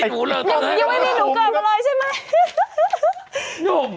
หนูยังไม่รู้